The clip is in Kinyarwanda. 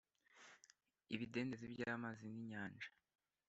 Ibidendezi by’amazi ninyanja